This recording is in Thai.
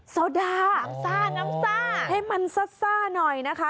โซดาน้ำซ่าน้ำซ่าให้มันซ่าหน่อยนะคะ